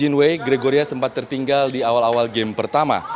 di margin way gregoria sempat tertinggal di awal awal game pertama